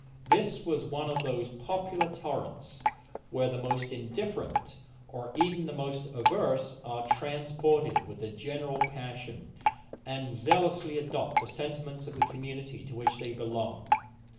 This was one of those popular torrents, where the most indifferent, or even the most averse, are transported with the general passion, and zealously adopt the sentiments of the community to which they belong.